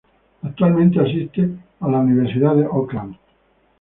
Actualmente asiste a la Universidad de Auckland.